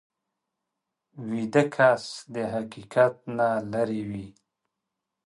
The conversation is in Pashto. ویده کس د حقیقت نه لرې وي